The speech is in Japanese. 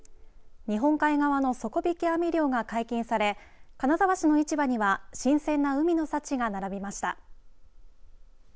日本海側の底引き網漁が解禁され金沢市の市場には新鮮な海の幸が並びました。